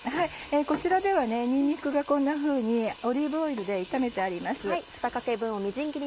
こちらではにんにくがこんなふうにオリーブオイルで炒めてあります。